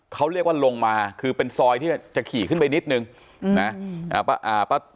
เขาเรียกว่าลงมาคือเป็นซอยที่จะขี่ขึ้นไปนิดนึงนะ